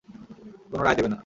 কোন রায় দেবে না।